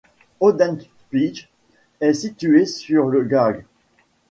Hodenpijl est situé sur le Gaag.